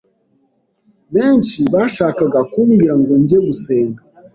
benshi bashakaga kumbwira ngo njye gusenga